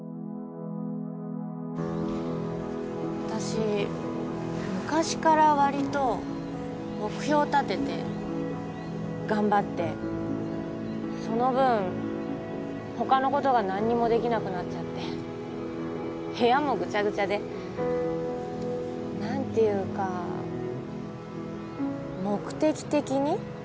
私昔から割と目標を立てて頑張ってその分他のことが何にもできなくなっちゃって部屋もぐちゃぐちゃで何ていうか目的的に？